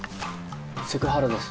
セクハラです。